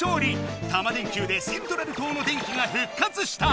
タマ電Ｑでセントラル島の電気がふっかつした！